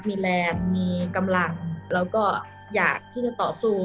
มีแรงมีกำลังแล้วก็อยากที่จะต่อสู้